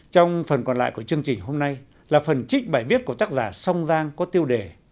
trong phần còn lại của chương trình hôm nay là phần trích bài viết của tác giả song giang có tiêu đề